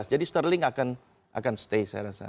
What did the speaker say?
jadi sterling akan stay saya rasa